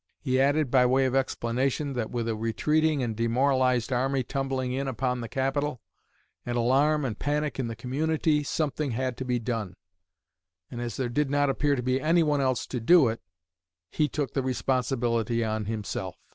He added, by way of explanation, that, with a retreating and demoralized army tumbling in upon the capital, and alarm and panic in the community, something had to be done, and as there did not appear to be anyone else to do it he took the responsibility on himself.